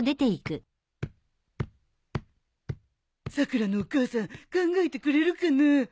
さくらのお母さん考えてくれるかな？